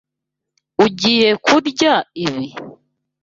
Ugiye kurya ibi?